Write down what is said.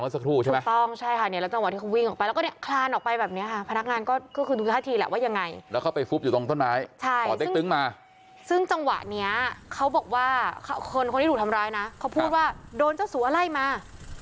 ส่วนที่บางคนไม่ตัวเยี่ยมนะบอกว่าโดนเจ้าสู่อะไรมา